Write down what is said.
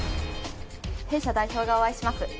弊社代表がお会いします。